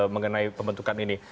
mengenai pembentukan ini